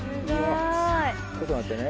ちょっと待ってね。